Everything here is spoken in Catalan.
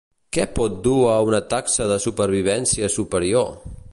Què pot dur a una taxa de supervivència superior?